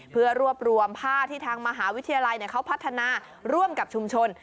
เพื่อรวบรวมผ้าที่ทางมหาวิทยาลัยเขาพัฒนาร่วมกับชุมชน